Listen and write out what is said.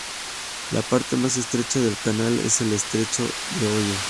La parte más estrecha del canal es el estrecho de Hoyo.